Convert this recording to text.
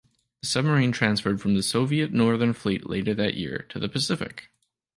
The submarine transferred from the Soviet Northern Fleet later that year to the Pacific.